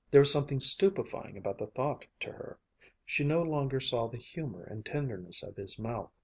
There was something stupefying about the thought to her. She no longer saw the humor and tenderness of his mouth.